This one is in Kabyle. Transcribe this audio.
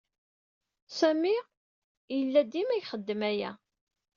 Sami yella dima ixeddem aya.